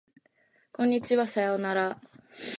こんにちはさようなら